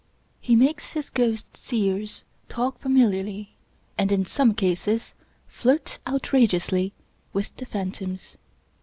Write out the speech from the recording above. He makes his ghost seers talk familiarly, and, in some cases, flirt outrageously, with the phantoms.